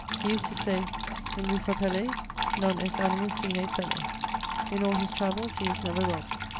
He used to say: In rufa pelle non est animus sine felle. In all his travells he was never robbed.